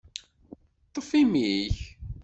Ṭṭef imi-k!